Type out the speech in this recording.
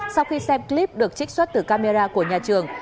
sau khi xem clip được trích xuất từ camera của nhà trường